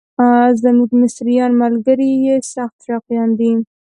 زموږ مصریان ملګري یې سخت شوقیان دي.